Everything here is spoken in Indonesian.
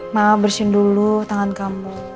maaf bersihin dulu tangan kamu